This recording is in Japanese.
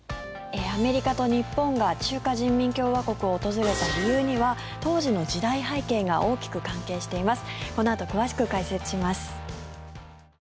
アメリカと日本が中華人民共和国を訪れた理由には当時の時代背景が大きく関係しています。